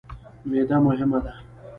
معده مهمه ده.